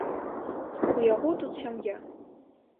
У яго тут сям'я.